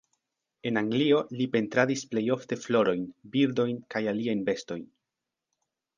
En Anglio li pentradis plej ofte florojn, birdojn kaj aliajn bestojn.